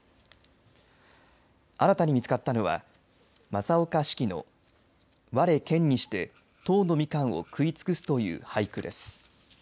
新たに見つかったのは正岡子規の吾健にして十のみかんをくひつくすという俳句です。